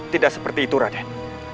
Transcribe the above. tidak seperti itu raden